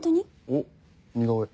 おっ似顔絵。